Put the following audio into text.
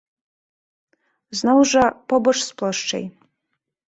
Зноў жа, побач з плошчай.